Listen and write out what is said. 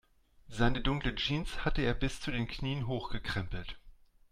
Seine dunkle Jeans hatte er bis zu den Knien hochgekrempelt.